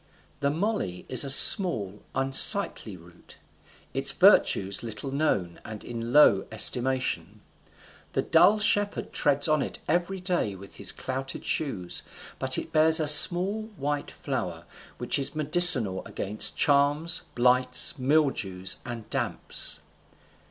The moly is a small unsightly root, its virtues but little known and in low estimation; the dull shepherd treads on it every day with his clouted shoes; but it bears a small white flower, which is medicinal against charms, blights, mildews, and damps.